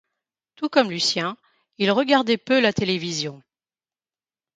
Tout comme Lucien, il regardait peu la télévision.